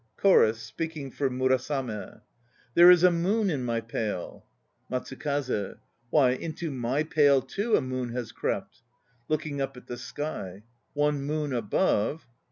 CHORUS (speaking for MURASAME). There is a moon in my pail! MATSUKAZE. Why, into my pail too a moon has crept! (Looking up at the sky.) One moon above.